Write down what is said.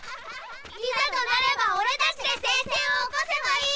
「いざとなれば俺たちで聖戦を起こせばいい」！